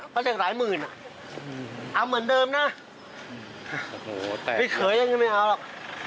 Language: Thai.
เสร็จหลายหมื่นอ่ะเอาเหมือนเดิมนะโอ้โหแต่พี่เขยอย่างนี้ไม่เอาหรอก